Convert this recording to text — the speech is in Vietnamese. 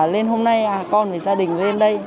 lên hôm nay con và gia đình lên đây